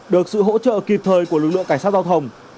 được sự hỗ trợ kịp thời của lực lượng cảnh sát giao thông